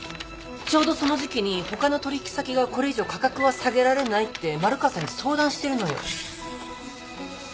ちょうどその時期に他の取引先がこれ以上価格は下げられないって丸川さんに相談してるのよ。